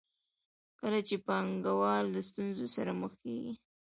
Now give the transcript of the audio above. کله چې پانګوال له ستونزو سره مخ کېږي